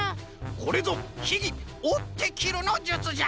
これぞひぎ「おってきるのじゅつ」じゃ！